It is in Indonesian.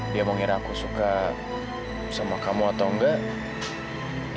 dia mau ngira aku suka sama kamu atau enggak